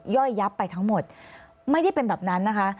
ย่อยยับไปทั้งหมดไม่ได้เป็นแบบนั้นนะคะ